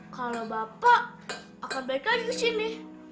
kalau bapak akan baik lagi ke sini